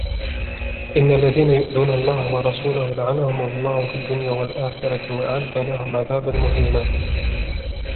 إِنَّ الَّذِينَ يُؤْذُونَ اللَّهَ وَرَسُولَهُ لَعَنَهُمُ اللَّهُ فِي الدُّنْيَا وَالْآخِرَةِ وَأَعَدَّ لَهُمْ عَذَابًا مُهِينًا